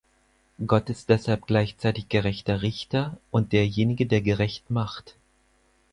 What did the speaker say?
Gott ist deshalb gleichzeitig gerechter Richter und derjenige, der gerecht macht.